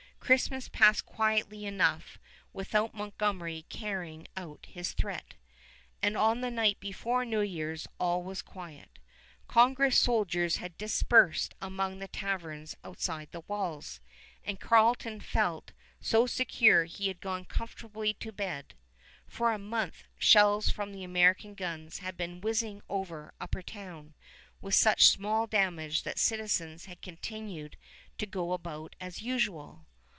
Christmas passed quietly enough without Montgomery carrying out his threat, and on the night before New Year's all was quiet. Congress soldiers had dispersed among the taverns outside the walls, and Carleton felt so secure he had gone comfortably to bed. For a month, shells from the American guns had been whizzing over Upper Town, with such small damage that citizens had continued to go about as usual.